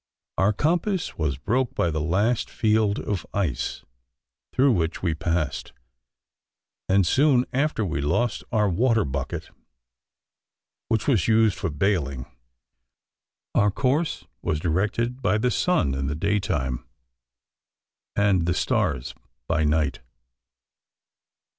Our compass was broke by the last field of ice through which we passed, and soon after we lost our water bucket, which was used for bailing. Our course was directed by the sun in the day time, and the stars by night.